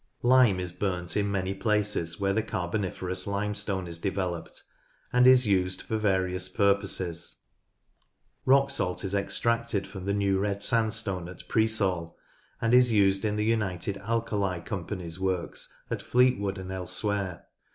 Lime is burnt in many places where the Carboni ferous Limestone is developed, and is used for various purposes. Rock salt is extracted from the New Red Sandstone at Preesall, and is used in the United Alkali Company's works at Fleetwood and elsewhere.